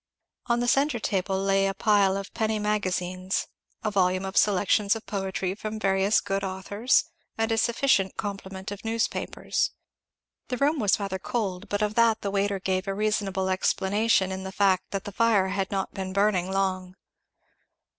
On the centre table lay a pile of Penny Magazines, a volume of selections of poetry from various good authors, and a sufficient complement of newspapers. The room was rather cold, but of that the waiter gave a reasonable explanation in the fact that the fire had not been burning long.